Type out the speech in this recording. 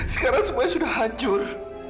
sekarang semuanya sudah hancur